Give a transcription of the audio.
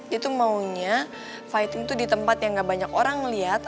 dia tuh maunya fighting tuh di tempat yang nggak banyak orang ngeliat